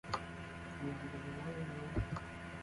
نا دایە گیان، خودا دوو جار کەس ناکەتە مەیموون!